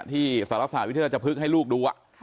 ที่สารศาสตร์วิทยาลัยจะพึกให้ลูกดู